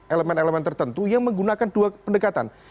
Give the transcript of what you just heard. elemen elemen tertentu yang menggunakan dua pendekatan